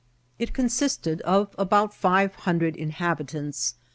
It consisted of about five hundred inhabitants.